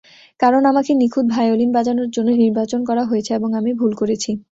কারণ আমাকে নিঁখুত ভায়োলিন বাজানোর জন্য নির্বাচন করা হয়েছে এবং আমি ভুল করেছি।